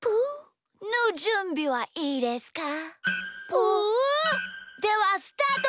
プゥ！ではスタート！